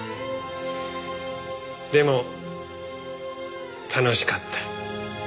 でも楽しかった。